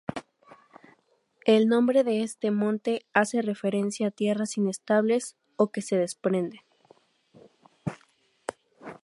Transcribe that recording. El nombre de este monte hace referencia a tierras inestables, o que se desprenden.